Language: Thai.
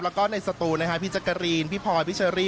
แล้วก็ในสตูร์นะฮะพี่จักรีนพี่พรพี่เชอรี่